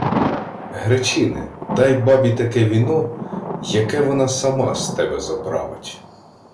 — Гречине! Дай бабі таке віно, яке вона сама з тебе заправить!